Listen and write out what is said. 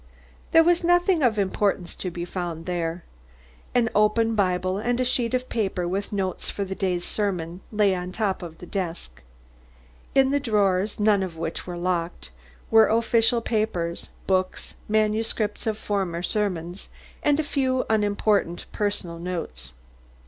There was nothing of importance to be found there. An open Bible and a sheet of paper with notes for the day's sermon lay on top of the desk. In the drawers, none of which were locked, were official papers, books, manuscripts of former sermons, and a few unimportant personal notes.